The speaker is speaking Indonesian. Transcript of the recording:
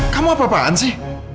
kamu apa apaan sih